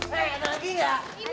hei ada lagi gak